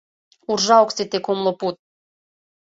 Уржа ок сите кумло пуд